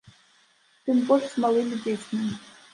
Тым больш з малымі дзецьмі.